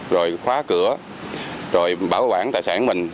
rồi khóa cửa rồi bảo quản tài sản mình